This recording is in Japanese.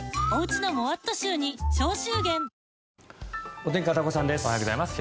お天気、片岡さんです。